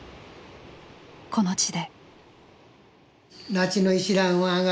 この地で。